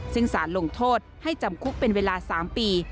ซึ่งสารลงโทษให้จำคุกเป็นเวลา๓ปี